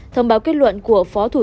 thông báo kết luận của phó thủ tướng